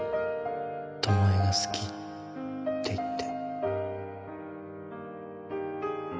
「巴が好き」って言って。